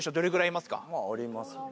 まぁありますね。